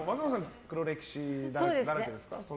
黒歴史だらけですか？